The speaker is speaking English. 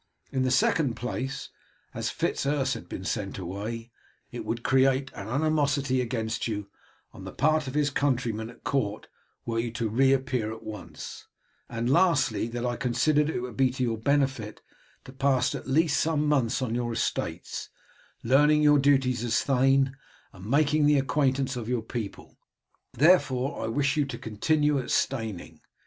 In the second place, as Fitz Urse had been sent away, it would create an animosity against you on the part of his countrymen at court were you to reappear at once; and lastly, that I considered it would be to your benefit to pass at least some months on your estates, learning your duties as thane, and making the acquaintance of your people. Therefore, I wished you to continue at Steyning.